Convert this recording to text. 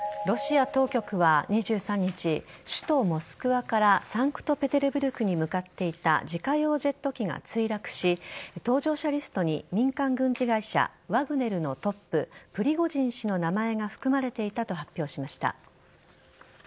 ロシア当局は２３日首都・モスクワからサンクトペテルブルクに向かっていた自家用ジェット機が墜落し搭乗者リストに民間軍事会社ワグネルのトッププリゴジン氏の名前が含まれていたと発表しました。